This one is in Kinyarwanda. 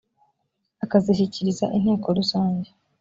akazishyikiriza inteko rusange